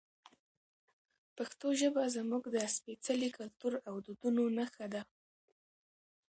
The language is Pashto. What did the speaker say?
پښتو ژبه زموږ د سپېڅلي کلتور او دودونو نښه ده.